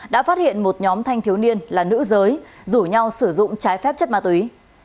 đã phát hiện một nhóm thanh thiếu niên là nữ giới rủ nhau sử dụng trái phép chất ma túy